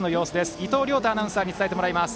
伊藤亮太アナウンサーに伝えてもらいます。